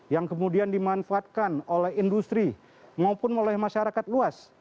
yang kemudian dimanfaatkan oleh industri maupun oleh masyarakat luas